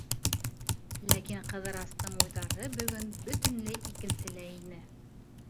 Ләкин Ҡыҙырастың уйҙары бөгөн бөтөнләй икенселә ине.